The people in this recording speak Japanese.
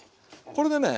これでね